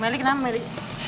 meli kenapa meli